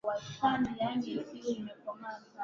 Kuna watu wengi walioathiriwa na madawa ya kulevya